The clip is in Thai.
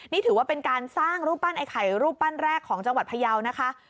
นี่ถือว่าเป็นการสร้างรูปปั้นไอ้ไข่รูปปั้นแรกของจังหวัดพยาวนะคะ